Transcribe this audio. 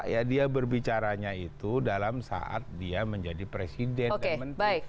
ya dia berbicaranya itu dalam saat dia menjadi presiden dan menteri